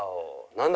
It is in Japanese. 何だ？